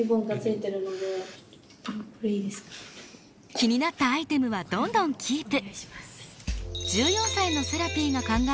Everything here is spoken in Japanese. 気になったアイテムはどんどんキープ。